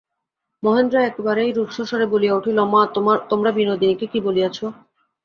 মহেন্দ্র একেবারেই রুষ্টস্বরে বলিয়া উঠিল, মা, তোমরা বিনোদিনীকে কী বলিয়াছ।